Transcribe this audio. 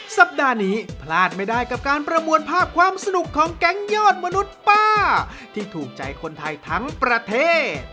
สัปดาห์นี้พลาดไม่ได้กับการประมวลภาพความสนุกของแก๊งยอดมนุษย์ป้าที่ถูกใจคนไทยทั้งประเทศ